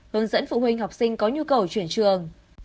hướng dẫn phụ huynh học sinh có nhu cầu chuyển trường